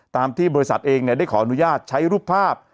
ตามที่บริษัทเองได้ขออนุญาตใช้รูปภาพ